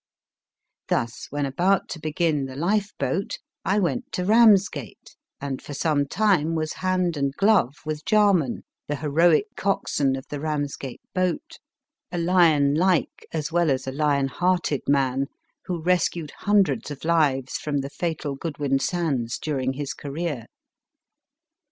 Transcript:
Thus, when about to begin * The Lifeboat, I went to Ramsgate, and, for some time, was hand and glove with Jarman, the heroic coxswain of the Ramsgate boat, a lion like THE STUDY as well as a lion hearted man, who rescued hundreds of lives from the fatal Goodwin Sands during his career.